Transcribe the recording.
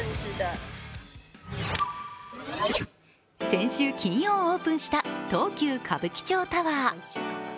先週金曜オープンした東急歌舞伎町タワー。